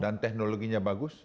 dan teknologinya bagus